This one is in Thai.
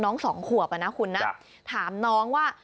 สองขวบอ่ะนะคุณนะถามน้องว่า